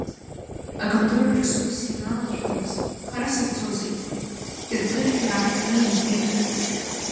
Аконтораҿы сус ианалацәажәоз, хара сызцозеи, Кьынтышә иаахтны имҳәеи…